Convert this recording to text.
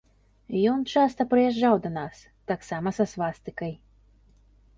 Ён часта прыязджаў да нас, таксама са свастыкай.